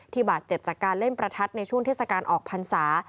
บาดเจ็บจากการเล่นประทัดในช่วงเทศกาลออกพรรษา